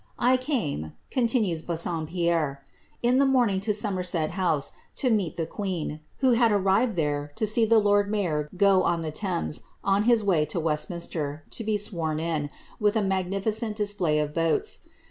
^ I came,'' continues Bassompierre,' ^ in the morning to Somerset (House) to meet the queen, who had arrived there to see the lord mayor go on the Thames, on his way to Westminster, to be sworn in, with a magnificent display c^ boats.